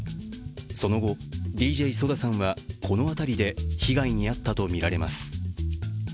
その後、ＤＪＳＯＤＡさんはこの辺りで被害に遭ったとみられます。